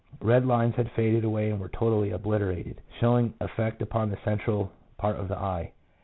1 Red lines had faded away and were totally obliter ated, showing effect upon the central part of the eye.